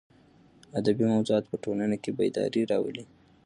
ادبي موضوعات په ټولنه کې بېداري راولي.